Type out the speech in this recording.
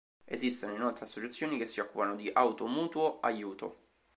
Esistono inoltre associazioni che si occupano di auto mutuo aiuto.